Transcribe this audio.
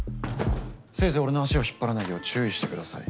せいぜい俺の足を引っ張らないよう注意してください。